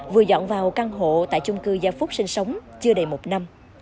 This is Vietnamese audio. vừa dọn vào căn hộ tại chung cư gia phúc sinh sống chưa đầy một năm